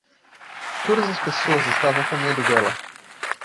Todas as pessoas estavam com medo dela.